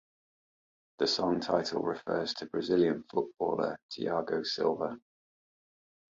The song title refers to Brazilian footballer Thiago Silva.